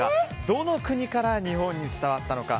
どの国から日本に伝わったのか。